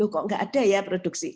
kok nggak ada ya produksi